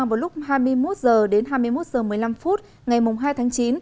vào lúc hai mươi một h đến hai mươi một h một mươi năm phút ngày hai tháng chín